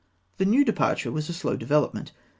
] The new departure was of slow development.